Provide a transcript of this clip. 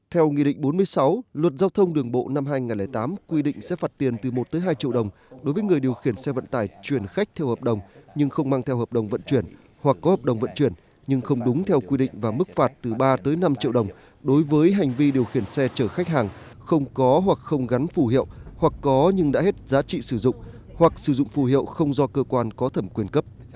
theo nghị định bốn mươi sáu luật giao thông đường bộ năm hai nghìn tám quy định sẽ phạt tiền từ một tới hai triệu đồng đối với người điều khiển xe vận tải chuyển khách theo hợp đồng nhưng không mang theo hợp đồng vận chuyển hoặc có hợp đồng vận chuyển nhưng không đúng theo quy định và mức phạt từ ba tới năm triệu đồng đối với hành vi điều khiển xe chở khách hàng không có hoặc không gắn phủ hiệu hoặc có nhưng đã hết giá trị sử dụng hoặc sử dụng phủ hiệu không do cơ quan có thẩm quyền